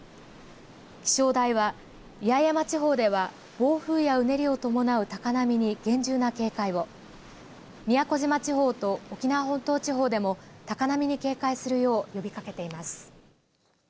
気象台は八重山地方では暴風やうねりを伴う高波に厳重な警戒を宮古島地方と沖縄本島地方でも高波に警戒するよう呼びかけています。